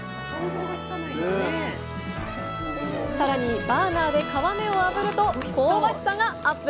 更にバーナーで皮目をあぶると香ばしさがアップ！